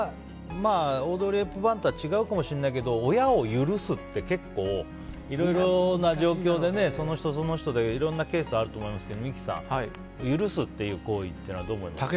オードリー・ヘプバーンとは違うかもしれないけど親を許すって、結構いろいろな状況でその人、その人でいろんなケースがあると思いますけど、三木さん許すっていう行為はどう思いますか。